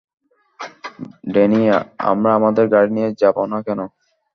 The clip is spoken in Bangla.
ড্যানি, আমরা আমাদের গাড়ি নিয়ে যাব না কেন?